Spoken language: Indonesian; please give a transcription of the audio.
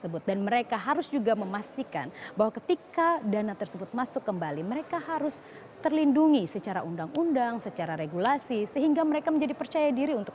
berita terkini dari dpr